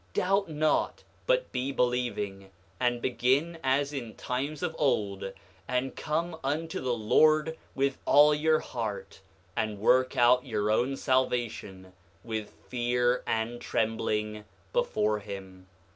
Doubt not, but be believing, and begin as in times of old, and come unto the Lord with all your heart, and work out your own salvation with fear and trembling before him.